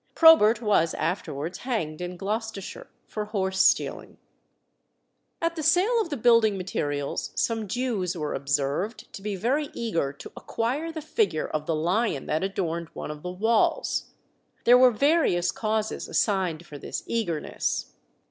Probert was afterwards hanged in Gloucestershire for horse stealing. At the sale of the building materials some Jews were observed to be very eager to acquire the figure of the lion that adorned one of the walls. There were various causes assigned for this eagerness.